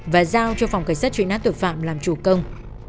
và giao cho phòng cảnh sát truy nã tội phạm làm chủ công